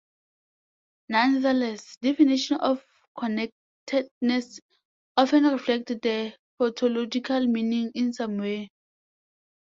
Nonetheless, definitions of "connectedness" often reflect the topological meaning in some way.